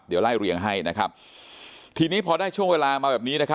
เดี๋ยวไล่เรียงให้นะครับทีนี้พอได้ช่วงเวลามาแบบนี้